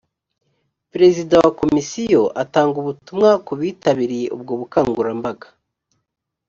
perezida wa komisiyo atanga ubutumwa ku bitabiriye ubwo bukangurambaga